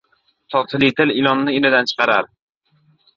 • Totli til ilonni inidan chiqarar.